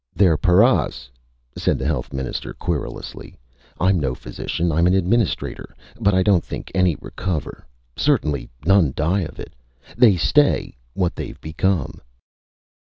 "They're paras!" said the Health Minister querulously. "I'm no physician! I'm an administrator! But I don't think any recover. Certainly none die of it! They stay what they've become."